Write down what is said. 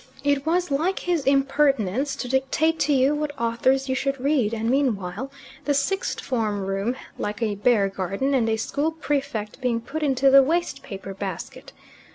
It was like his impertinence to dictate to you what authors you should read, and meanwhile the sixth form room like a bear garden, and a school prefect being put into the waste paper basket.